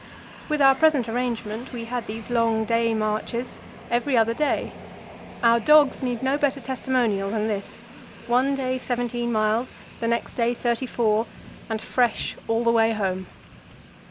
With our present arrangement, we had these long day marches every other day. Our dogs need no better testimonial than this one day seventeen miles, the next day thirty four, and fresh all the way home.